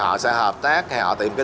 họ sẽ hợp tác họ sẽ hợp tác